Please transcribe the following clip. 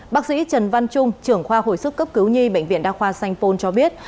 bác sĩ trần văn trung trưởng khoa hồi sức cấp cứu nhi bệnh viện đa khoa sanh pôn cho biết